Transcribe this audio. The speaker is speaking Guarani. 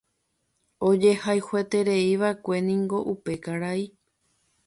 Ojehayhuetereívaʼekueniko upe karai.